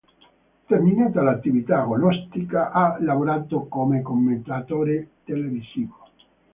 Terminata l'attività agonistica ha lavorato come commentatore televisivo.